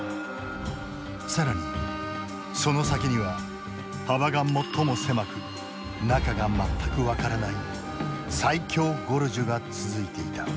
更にその先には幅が最も狭く中が全く分からない最狭ゴルジュが続いていた。